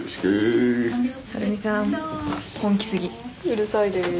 うるさいです。